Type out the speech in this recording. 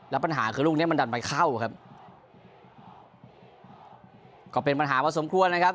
แล้วปัญหาคือลูกเนี้ยมันดันไปเข้าครับก็เป็นปัญหาพอสมควรนะครับ